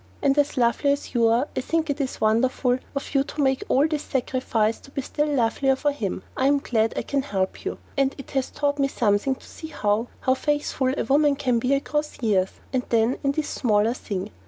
And as lovely as you are I think it is wonderful of you to make all this sacrifice to be still lovelier for him. I am glad I can help you, and it has taught me something to see how how faithful a woman can be across years and then in this smaller thing!